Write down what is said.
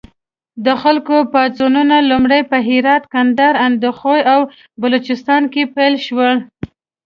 د خلکو پاڅونونه لومړی په هرات، کندهار، اندخوی او بلوچستان کې پیل شول.